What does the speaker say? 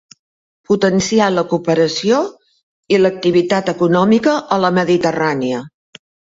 Potenciar la cooperació i l'activitat econòmica a la Mediterrània.